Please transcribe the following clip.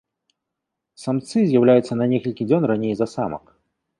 Самцы з'яўляюцца на некалькі дзён раней за самак.